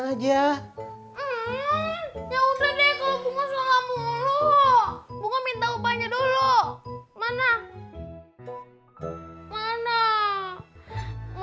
ya udah deh kalau bunga selalu ngamuru